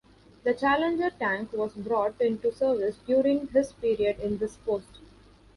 The Challenger tank was brought into service during his period in this post.